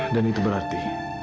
dan itu berarti